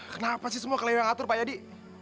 kenapa sih kalian semua yang ngatur pak yadi